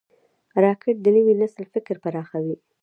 راکټ د نوي نسل فکر پراخوي